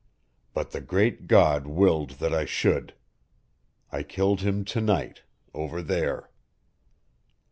But the Great God willed that I should. I killed him to night over there!"